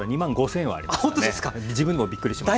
自分でもびっくりしました。